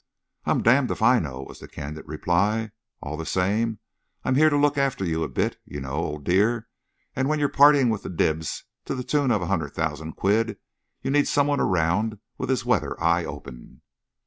"I'm damned if I know," was the candid reply. "All the same, I'm here to look after you a bit, you know, old dear, and when you're parting with the dibs to the tune of a hundred thousand quid, you need some one around with his weather eye open."